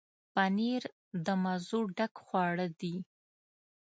پنېر د مزو ډک خواړه دي.